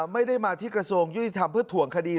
ไม่ได้มาที่กระทรวงยุติธรรมเพื่อถ่วงคดี